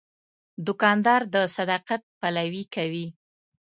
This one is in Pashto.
دوکاندار د صداقت پلوي کوي.